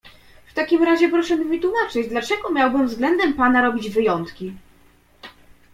"W takim razie proszę mi wytłumaczyć, dlaczego miałbym względem pana robić wyjątki?"